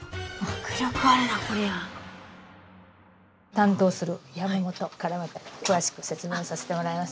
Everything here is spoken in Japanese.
担当する山本から詳しく説明をさせてもらいます。